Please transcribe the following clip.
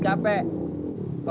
gak ada yang ngerti